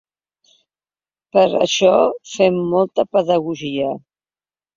Per això fem molta pedagogia.